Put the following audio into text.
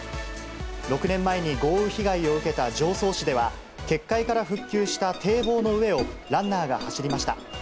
６年前に豪雨被害を受けた常総市では、決壊から復旧した堤防の上を、ランナーが走りました。